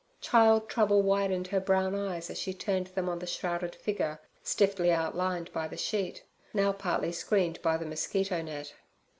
Child trouble widened her brown eyes as she turned them on the shrouded figure stiffly outlined by the sheet, now partly screened by the mosquito net.